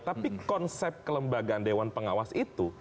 tapi konsep kelembagaan dewan pengawas itu